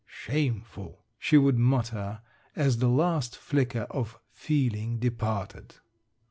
"Shameful!" she would mutter, as the last flicker of feeling departed.